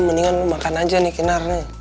mendingan makan aja nih kinarnya